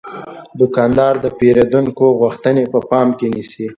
دوکاندار د پیرودونکو غوښتنې په پام کې نیسي.